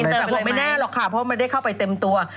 แต่บอกไม่แน่หรอกค่ะเพราะมันได้เข้าไปเต็มตัว